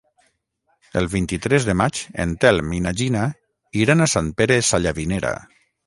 El vint-i-tres de maig en Telm i na Gina iran a Sant Pere Sallavinera.